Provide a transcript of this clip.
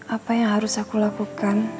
apa yang harus aku lakukan